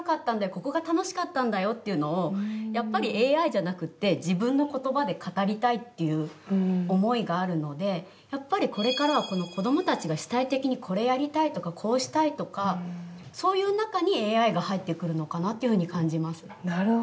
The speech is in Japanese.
ここが楽しかったんだよっていうのをやっぱりＡＩじゃなくて自分の言葉で語りたいっていう思いがあるのでやっぱり、これからは子どもたちが主体的にこれやりたいとかこうしたいとか、そういう中にＡＩが入ってくるのかなというふうに感じます。